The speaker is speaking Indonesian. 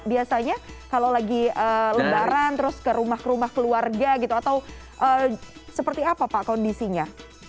biasanya kalau lagi lembaran terus ke rumah keluarga gitu atau seperti apa pak kondisinya